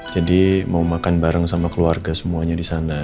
jadi mau makan bareng sama keluarga semuanya disana